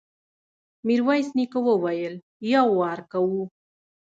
ميرويس نيکه وويل: يو وار کوو.